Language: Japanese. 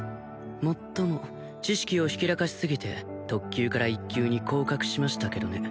もっとも知識をひけらかしすぎて特級から１級に降格しましたけどね